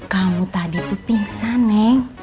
kamu tadi tuh pingsan neng